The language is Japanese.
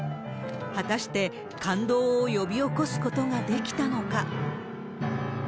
果たして、感動を呼び起こすことができたのか。